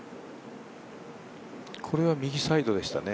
これは右サイドでしたね。